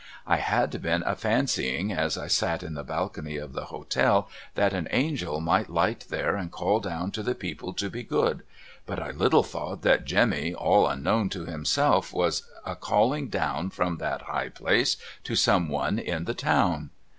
I had been a fancying as I sat in the balcony of the hotel that an Angel might light there and call down to the people to be good, but I little thought what Jemmy all unknown to himself was a callii'g down from tliat high place to some one in the town.